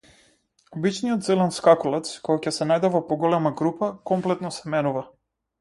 Обичниот зелен скакулец, кога ќе се најде во поголема група, комплетно се менува.